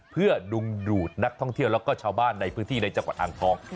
เพื่อดุงดูดนักท่องเที่ยวแล้วก็ชาวบ้านในพื้นที่ในจังหวัดอ่างทอง